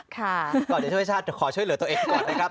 ก่อนจะช่วยชาติขอช่วยเหลือตัวเองก่อนนะครับ